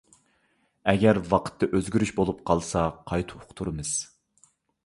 ئەگەر ۋاقىتتا ئۆزگىرىش بولۇپ قالسا قايتا ئۇقتۇرىمىز.